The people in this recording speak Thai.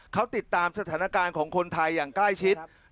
เขาติดตามสถานการณ์ของคนไทยอย่างใกล้ชิด